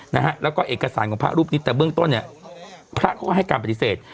นะฮะแล้วก็เอกสารของพระรูปนี้แต่เบื้องต้นเนี่ยพระเขาก็ให้การปฏิเสธ